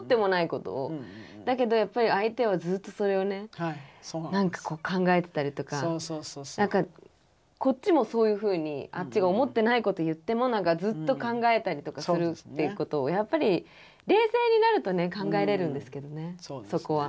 だけどやっぱり相手はずっとそれをね何かこう考えてたりとかこっちもそういうふうにあっちが思ってないこと言っても何かずっと考えたりとかするっていうことをやっぱり冷静になるとね考えれるんですけどねそこは。